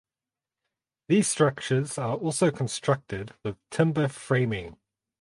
These structures are also constructed with timber framing.